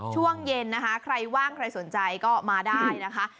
ช่วงเย็นนะคะใครว่างใครสนใจก็มาได้นะคะ